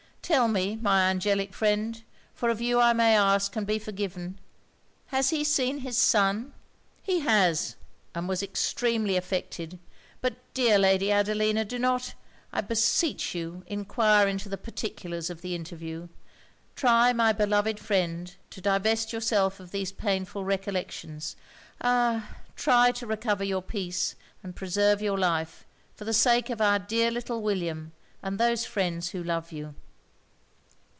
Tell me, my angelic friend! for of you I may ask and be forgiven has he seen his son?' 'He has; and was extremely affected. But dear Lady Adelina, do not, I beseech you, enquire into the particulars of the interview. Try, my beloved friend, to divest yourself of these painful recollections ah! try to recover your peace, and preserve your life, for the sake of our dear little William and those friends who love you.'